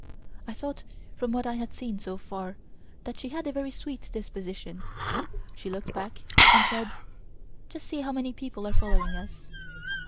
I thought from what I had seen so far that she had a very sweet disposition. She looked back and said: "Just see how many people are following us."